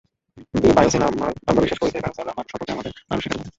বায়োসিনে, আমরা বিশ্বাস করি যে ডাইনোসরেরা মানুষ সম্পর্কে আমাদের আরো শেখাতে পারে।